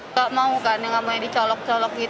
nggak mau kan nggak boleh dicolok colok gitu